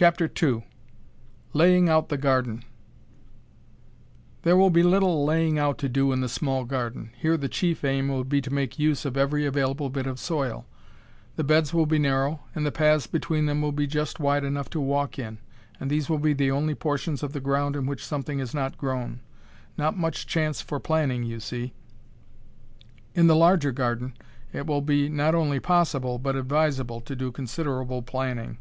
II LAYING OUT THE GARDEN There will be little "laying out" to do in the small garden. Here the chief aim will be to make use of every available bit of soil; the beds will be narrow, and the paths between them will be just wide enough to walk in, and these will be the only portions of the ground in which something is not grown. Not much chance for planning, you see. In the larger garden it will be not only possible, but advisable, to do considerable planning.